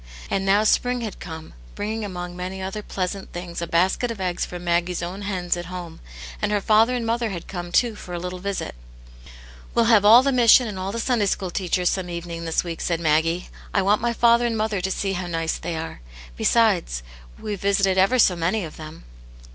And now spring had come, bringing among many other pleasant things a basl<et of eggs from Maggie's own hens at home, and her father and mother had come, too, for a little visit *' We'll have all the mission and all the Sunday School teachers some evening this week," said Ljaggie. " I want my father and mother to see how n^cc they arc. Besides, weVe visited ever so many of tiiem."